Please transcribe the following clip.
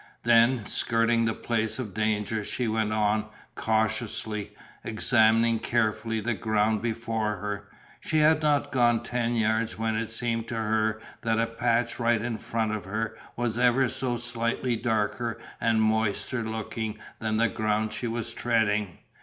Then, skirting the place of danger, she went on, cautiously, examining carefully the ground before her. She had not gone ten yards when it seemed to her that a patch right in front of her was ever so slightly darker and moister looking than the ground she was treading.